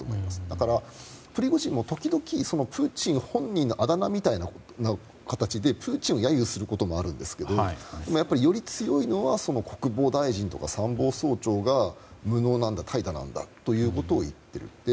だから、プリゴジンも時々プーチン本人のあだ名みたいな形でプーチンを揶揄することもあるんですがやっぱり、より強いのは国防大臣とか参謀総長が無能なんだ、怠惰なんだと言っている。